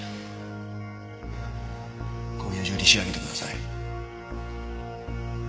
今夜中に仕上げてください。